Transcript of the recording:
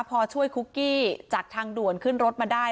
พอช่วยคุกกี้จากทางด่วนขึ้นรถมาได้